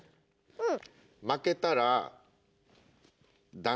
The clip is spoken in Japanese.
うん。